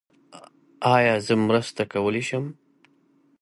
ایا زه مرسته کولي شم؟